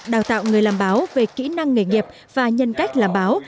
đào tạo người làm báo về kỹ năng nghề nghiệp và nhân cách làm báo